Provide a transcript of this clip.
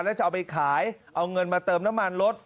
แล้วจะเอาไปขายเอาเงินมาเติมน้ำมันรถ